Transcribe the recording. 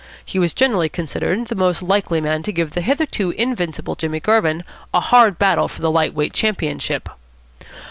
He was generally considered the most likely man to give the hitherto invincible Jimmy Garvin a hard battle for the light weight championship.